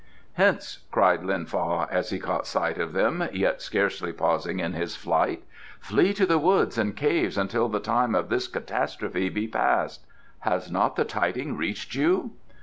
"Hence!" cried Lin Fa, as he caught sight of them, yet scarcely pausing in his flight: "flee to the woods and caves until the time of this catastrophe be past. Has not the tiding reached you?"